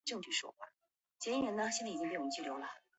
引申为大声高调夸耀自己的后台势力。